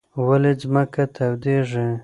ولې ځمکه تودېږي؟